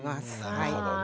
なるほどね。